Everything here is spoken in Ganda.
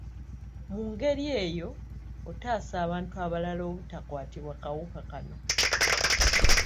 Mu ngeri eyo, otaasa abantu abalala obutakwatibwa kawuka kano.